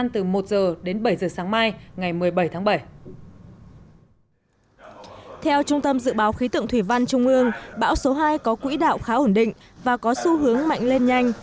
theo trung tâm dự báo khí tượng thủy văn trung ương bão số hai có quỹ đạo khá ổn định và có xu hướng mạnh lên nhanh